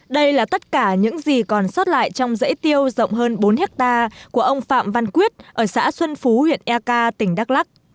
đây là tất cả những gì còn sót lại trong dãy tiêu rộng hơn bốn hectare của ông phạm văn quyết ở xã xuân phú huyện ek tỉnh đắk lắc